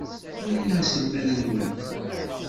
Wali aselmed n Web.